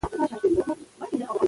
هغه د سانتیاګو مخه نه نیسي.